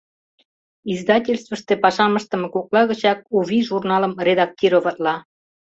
Издательствыште пашам ыштыме кокла гычак «У вий» журналым редактироватла.